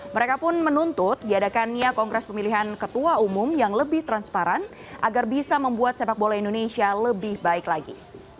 mereka pun menuntut diadakannya kongres pemilihan ketua umum yang lebih transparan agar bisa membuat sepak bola indonesia lebih baik lagi